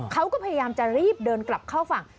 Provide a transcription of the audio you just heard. เขาก็พยายามจะรีบเดินกลับเข้าฝั่ง